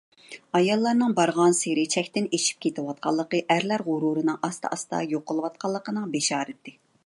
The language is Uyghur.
ئاياللارنىڭ بارغانسېرى چەكتىن ئېشىپ كېتىۋاتقانلىقى ئەرلەر غۇرۇرىنىڭ ئاستا-ئاستا يوقىلىۋاتقانلىقىنىڭ بېشارىتى.